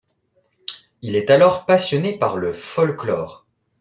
Il est alors passionné par le folklore.